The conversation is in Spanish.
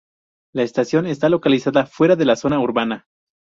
La estación está localizada fuera de la zona urbana.